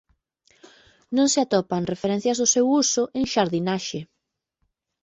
Non se atopan referencias do seu uso en xardinaxe.